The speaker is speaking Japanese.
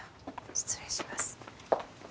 失礼します。